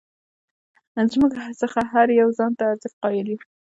زموږ څخه هر یو ځان ته ارزښت قایل یو.